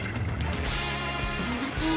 すみません。